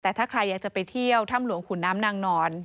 แต่ถ้าใครอยากจะไปเที่ยวถ้ำหลวงขุนน้ำนางนอน